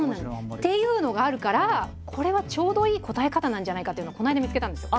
っていうのがあるからこれはちょうどいい答え方なんじゃないかっていうのをこの間見つけたんですよ。